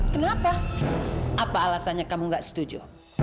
kenapa apa alasannya kamu gak setuju